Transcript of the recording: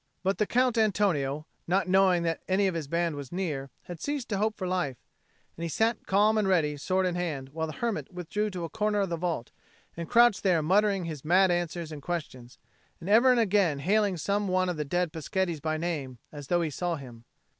But the Count Antonio, not knowing that any of his band were near, had ceased to hope for his life, and he sat calm and ready, sword in hand, while the hermit withdrew to a corner of the vault, and crouched there muttering his mad answers and questions, and ever and again hailing some one of the dead Peschetti by name as though he saw him.